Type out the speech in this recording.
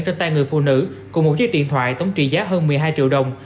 trên tay người phụ nữ cùng một chiếc điện thoại tổng trị giá hơn một mươi hai triệu đồng